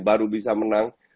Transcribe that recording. baru bisa menang